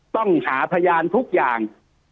ต้องหาพยานทุกอย่าง